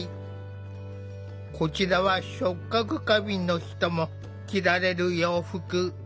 こちらは触覚過敏の人も着られる洋服。